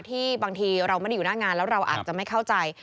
บางทีเราไม่ได้อยู่หน้างานแล้วเราอาจจะไม่เข้าใจ